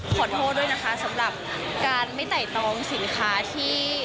ขอโทษด้วยนะคะสำหรับการไม่ไต่ตองสินค้าที่